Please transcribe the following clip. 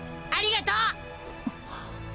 ありがとう！